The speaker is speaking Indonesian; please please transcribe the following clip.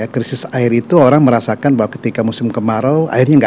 krisis air itu orang merasakan bahwa ketika musim kemarau airnya tidak